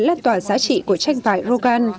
lan tỏa giá trị của tranh vải rogan